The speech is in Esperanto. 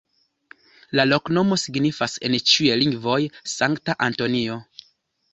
La loknomo signifas en ĉiuj lingvoj: Sankta Antonio.